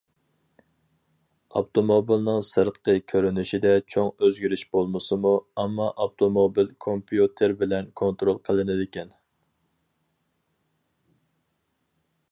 ئاپتوموبىلنىڭ سىرتقى كۆرۈنۈشىدە چوڭ ئۆزگىرىش بولمىسىمۇ، ئامما ئاپتوموبىل كومپيۇتېر بىلەن كونترول قىلىنىدىكەن.